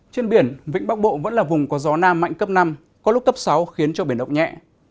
trên biển vĩnh bắc bộ vẫn là vùng có gió nam mạnh cấp năm có lúc cấp sáu khiến cho biển động nhẹ